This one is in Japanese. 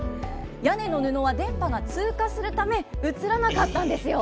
屋根の布は電波が通過するため、写らなかったんですよ。